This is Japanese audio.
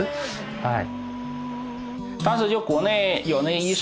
はい。